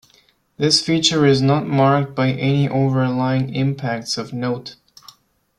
This feature is not marked by any overlying impacts of note.